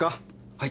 はい。